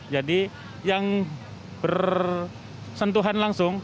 jadi yang bersentuhan langsung